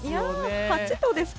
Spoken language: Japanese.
８度ですか。